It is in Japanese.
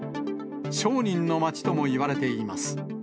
商人の町ともいわれています。